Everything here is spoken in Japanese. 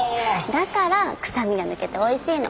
だから臭みが抜けておいしいの。